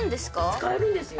使えるんですよ。